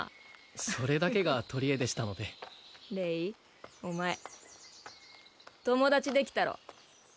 それだけがとりえでしたのでレイお前友達できたろ？